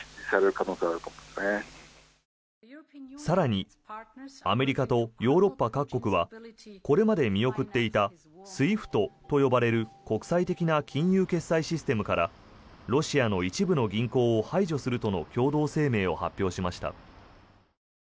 更にアメリカとヨーロッパ各国はこれまで見送っていたＳＷＩＦＴと呼ばれる国際的な金融決済システムからロシアの一部の銀行を排除するとの共同声明を発表しました。